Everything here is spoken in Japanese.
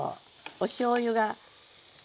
おしょうゆがみそ。